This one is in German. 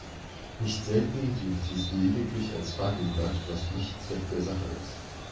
Nicht selten dient dies lediglich als Feigenblatt, was nicht Zweck der Sache ist.